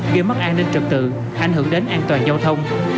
gây mất an ninh trật tự ảnh hưởng đến an toàn giao thông